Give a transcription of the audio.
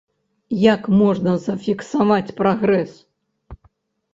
Як можна зафіксаваць прагрэс?